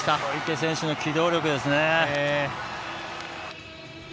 小池選手の機動力ですね。